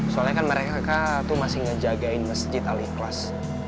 soalnya kan mereka tuh masih ngejagain masjid aliklas